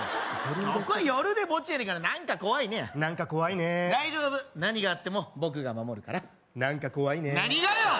そこは夜で墓地やねんから「何か怖いね」や何か怖いね大丈夫何があっても僕が守るから何か怖いね何がや！